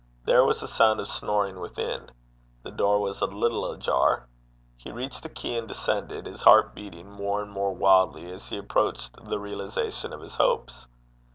There was a sound of snoring within. The door was a little ajar. He reached the key and descended, his heart beating more and more wildly as he approached the realization of his hopes.